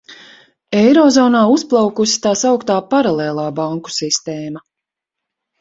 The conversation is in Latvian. Eirozonā uzplaukusi tā sauktā paralēlā banku sistēma.